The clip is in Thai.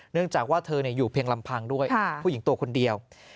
จากว่าเธออยู่เพียงลำพังด้วยผู้หญิงตัวคนเดียว